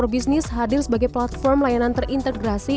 grab empat business hadir sebagai platform layanan terintegrasi